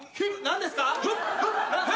何ですか？